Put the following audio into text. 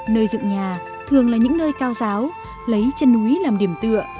nơi dựng nhà thường là những nơi cao giáo lấy chân núi làm điểm tựa